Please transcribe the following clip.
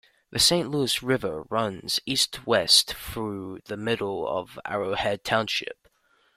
The Saint Louis River runs east-west through the middle of Arrowhead Township.